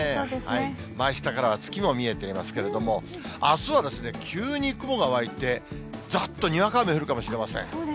マイスタからは月も見えていますけれども、あすは、急に雲が湧いて、ざっとにわか雨、降るかもしれません。